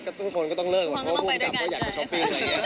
จุดที่คนคนก็ต้องเลิกเลยเพราะบวงกลับจะอยากไปช้อปปิ้ง